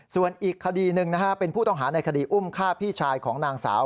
ส่วนอีกคดีหนึ่งนะฮะเป็นผู้ต้องหาในคดีอุ้มฆ่าพี่ชายของนางสาว